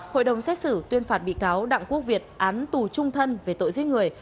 hội đồng xét xử tuyên phạt bị cáo đặng quốc việt án tù trung thân về tội giết người